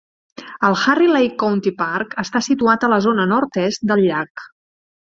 El Harris Lake County Park està situat a la zona nord-est del llac.